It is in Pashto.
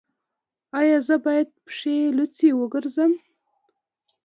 ایا زه باید پښې لوڅې وګرځم؟